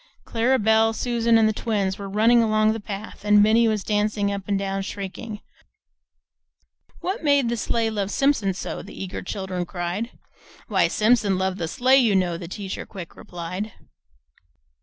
Clara Belle, Susan, and the twins were running along the path, and Minnie was dancing up and down, shrieking: "'What made the sleigh love Simpson so?' The eager children cried; 'Why Simpson loved the sleigh, you know,' The teacher quick replied."